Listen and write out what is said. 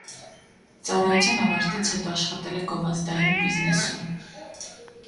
Ծառայության ավարտից հետո աշխատել է գովազդային բիզնեսում։